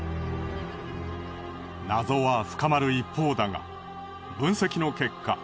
謎は深まる一方だが分析の結果